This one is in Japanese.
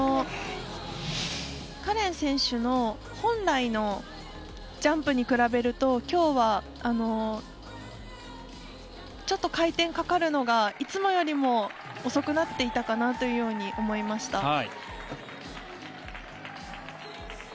カレン選手の本来のジャンプに比べると今日はちょっと回転かかるのがいつもよりも遅くなっていたかなというように思いました。